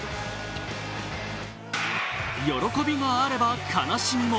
喜びがあれば悲しみも。